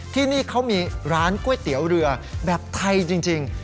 ที่นี่เขามีร้านก๋วยเตี๋ยวเรือแบบไทยจริง